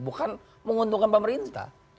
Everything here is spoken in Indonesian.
bukan menguntungkan pemerintah